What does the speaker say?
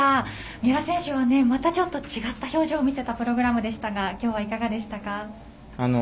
三浦選手はまたちょっと違った表情を見せたプログラムでしたが今日はいかがでしたか？